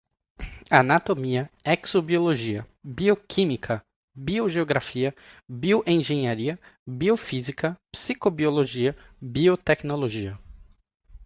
anatomia, exobiologia, bioquímica, biogeografia, bioengenharia, biofísica, psicobiologia, biotecnologia